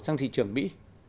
sang thị trường mỹ